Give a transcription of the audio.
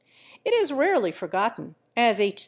It is rarely forgotten, as H.